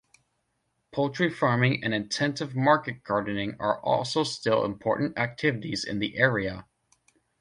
Poultry farming and intensive market gardening are also still important activities in the area.